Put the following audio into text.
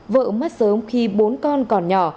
vợ mất sớm khi bốn con còn nhỏ